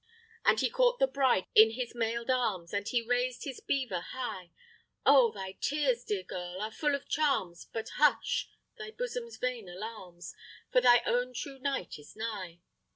And he caught the bride in his mailed arms, And he raised his beaver high; "Oh! thy tears, dear girl, are full of charms, But hush thy bosom's vain alarms, For thy own true knight is nigh!"